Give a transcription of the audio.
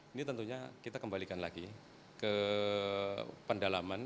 ini tentunya kita kembalikan lagi ke pendalaman